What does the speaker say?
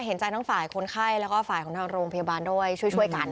เห็นใจทั้งฝ่ายคนไข้แล้วก็ฝ่ายของทางโรงพยาบาลด้วยช่วยกัน